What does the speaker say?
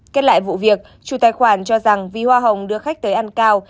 kết lại vụ việc chủ tài khoản cho rằng vì hoa hồng đưa khách tới ăn cao